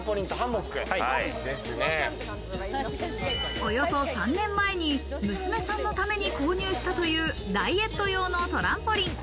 およそ３年前に娘さんのために購入したという、ダイエット用のトランポリン。